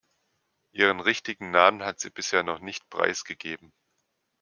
Ihren richtigen Namen hat sie bisher noch nicht preisgegeben.